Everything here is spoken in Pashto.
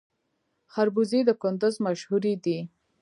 خربوزې د کندز مشهورې دي